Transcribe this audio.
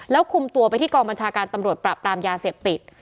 แล้วคุมตัวไปที่กองบัญชาการตำรวจปราบปรามยาเสพติด